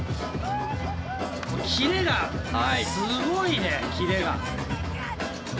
キレがすごいねキレが。